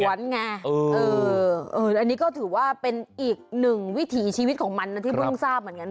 อันนี้ก็ถือว่าเป็นอีกหนึ่งวิถีชีวิตของมันนะที่เพิ่งทราบเหมือนกัน